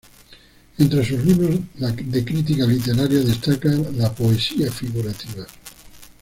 Entre sus libros de crítica literaria destaca "La poesía figurativa.